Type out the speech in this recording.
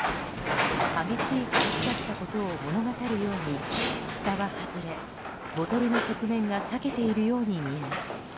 激しい破裂だったことを物語るように蓋は外れ、ボトルの側面が裂けているように見えます。